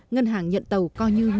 ngân hàng nhận tàu có thể giao tàu